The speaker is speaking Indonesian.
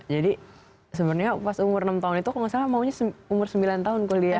jadi sebenarnya pas umur enam tahun itu kalau gak salah maunya umur sembilan tahun kuliah